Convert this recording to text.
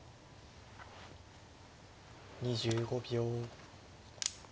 ２５秒。